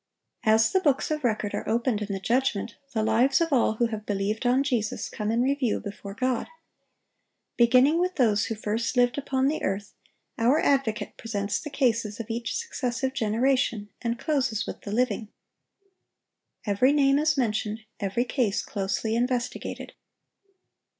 (854) As the books of record are opened in the judgment, the lives of all who have believed on Jesus come in review before God. Beginning with those who first lived upon the earth, our Advocate presents the cases of each successive generation, and closes with the living. Every name is mentioned, every case closely investigated.